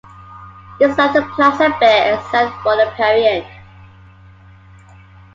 This left the Plaza bare except for the Parian.